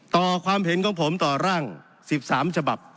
ต่อความเห็นของผมต่อร่าง๑๓ฉบับ